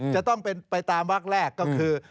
จะต้องเป็นไปตามวักแรกก็คือ